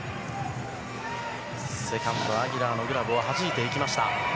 セカンド、アギラーのグラブをはじいていきました。